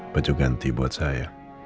baju ganti buat saya